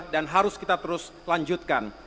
dan harus kita terus lanjutkan